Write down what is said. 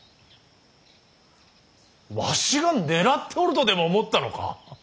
わしが狙っておるとでも思ったのか。